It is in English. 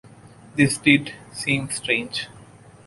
This did seem strange.